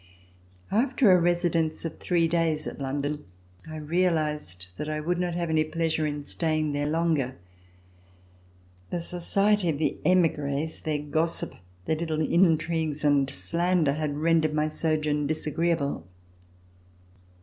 After a residence of three days at London, I realized that I would not have any pleasure in stay ing there longer. The society of the emigres, their gossip, their little intrigues and slander had rendered my sojourn disagreeable.